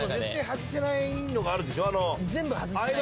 外せないのがあるんでしょ。